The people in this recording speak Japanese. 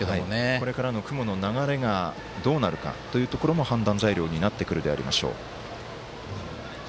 これからの雲の流れがどうなるかというところも判断材料になってくるでありましょう。